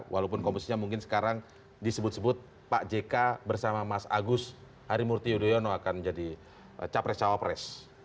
walaupun komposisinya mungkin sekarang disebut sebut pak jk bersama mas agus harimurti yudhoyono akan jadi capres cawapres